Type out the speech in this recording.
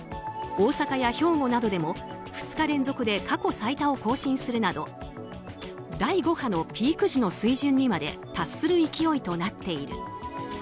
大阪や兵庫などでも２日連続で過去最多を更新するなど第５波のピーク時の水準にまで達する勢いになっている。